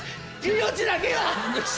命だけは！